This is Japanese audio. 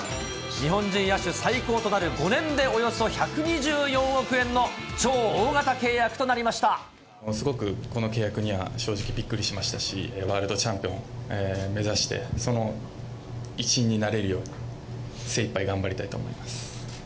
日本人野手最高となる５年でおよそ１２４億円の超大型契約となりすごくこの契約には正直、びっくりしましたし、ワールドチャンピオン目指して、その一員になれるように、精いっぱい頑張りたいと思います。